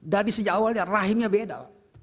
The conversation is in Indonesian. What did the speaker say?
dari sejak awalnya rahimnya beda